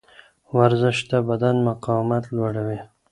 ورزش د بدن مقاومت لوړوي.